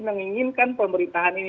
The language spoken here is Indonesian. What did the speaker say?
menginginkan pemerintahan ini